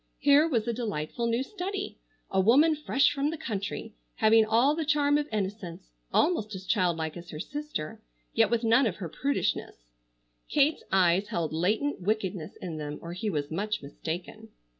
Here was a delightful new study. A woman fresh from the country, having all the charm of innocence, almost as child like as her sister, yet with none of her prudishness. Kate's eyes held latent wickedness in them, or he was much mistaken.